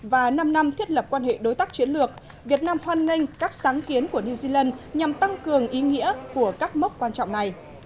và năm năm thiết lập quan hệ đối tác chiến lược việt nam hoan nghênh các sáng kiến của new zealand nhằm tăng cường ý nghĩa của các mốc quan trọng này